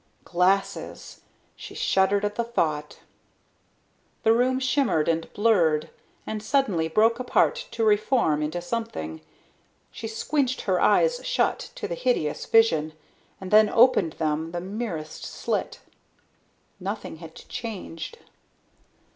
Glasses! She shuddered at the thought. The room shimmered and blurred and suddenly broke apart to reform into something.... She squinched her eyes shut to the hideous vision. And then opened them the merest slit. Nothing had changed....